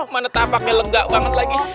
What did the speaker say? maa tak pake lega banget lagi